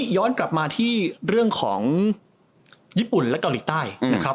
ย้อนกลับมาที่เรื่องของญี่ปุ่นและเกาหลีใต้นะครับ